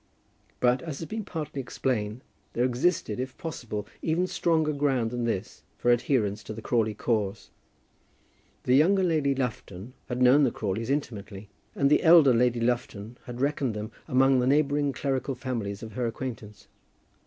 But, as has been partly explained, there existed, if possible, even stronger ground than this for adherence to the Crawley cause. The younger Lady Lufton had known the Crawleys intimately, and the elder Lady Lufton had reckoned them among the neighbouring clerical families of her acquaintance.